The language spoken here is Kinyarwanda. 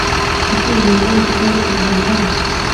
ese urubyiruko ko rusigaye rukunda murandasi